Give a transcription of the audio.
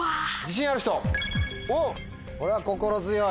これは心強い。